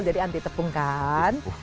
jadi anti tepung kan